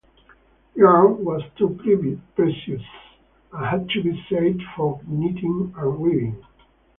Yarn was too precious, and had to be saved for knitting and weaving.